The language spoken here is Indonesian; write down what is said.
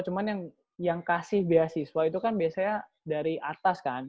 cuma yang kasih beasiswa itu kan biasanya dari atas kan